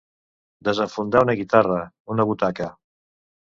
Desenfundar una guitarra, una butaca.